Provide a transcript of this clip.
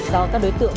do các đối tượng